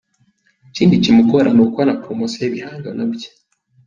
Ikindi kimugora ni ukubona promosiyo y’ibihangano bye.